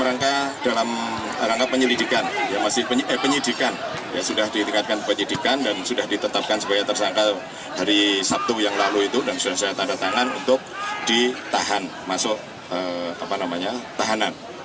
rangka penyelidikan ya masih penyidikan ya sudah ditingkatkan penyidikan dan sudah ditetapkan sebagai tersangka hari sabtu yang lalu itu dan sudah saya tanda tangan untuk ditahan masuk apa namanya tahanan